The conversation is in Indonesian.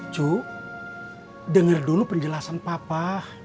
cuk dengar dulu penjelasan papa